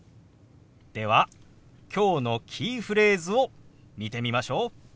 ではきょうのキーフレーズを見てみましょう。